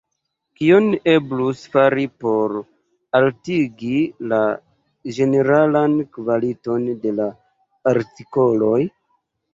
Kion eblus fari por altigi la ĝeneralan kvaliton de la artikoloj?